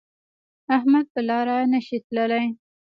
احمد په لاره نشي تللی.